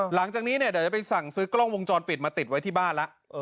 หลังจากนี้เนี่ยเดี๋ยวจะไปสั่งซื้อกล้องวงจรปิดมาติดไว้ที่บ้านแล้ว